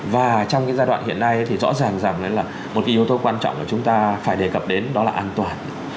và trong cái giai đoạn hiện nay thì rõ ràng rằng là một cái yếu tố quan trọng là chúng ta phải đề cập đến đó là an toàn